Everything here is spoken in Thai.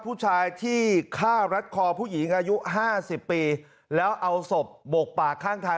ผู้ชายที่ฆ่ารัดคอผู้หญิงอายุห้าสิบปีแล้วเอาศพโบกปากข้างทาง